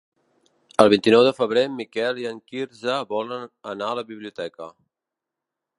El vint-i-nou de febrer en Miquel i en Quirze volen anar a la biblioteca.